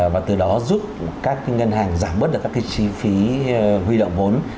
và từ đó giúp các ngân hàng giảm bớt được các cái chi phí huy động vốn